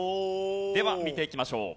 では見ていきましょう。